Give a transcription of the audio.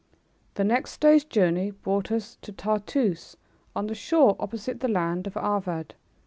The next day's journey brought us to Tartoose on the shore opposite the island of Arvad.